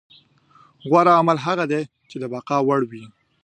غوره عمل هغه دی چې د بقا وړ وي.